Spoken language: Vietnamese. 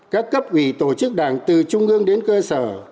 các cấp ủy tổ chức đảng từ trung ương đến cơ sở